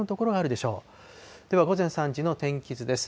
では、午前３時の天気図です。